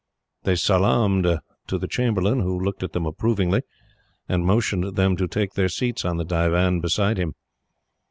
They salaamed to the chamberlain, who looked at them approvingly, and motioned to them to take their seats on the divan beside him.